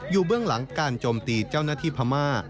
เบื้องหลังการโจมตีเจ้าหน้าที่พม่า